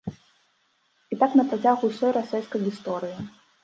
І так на працягу ўсёй расейскай гісторыі.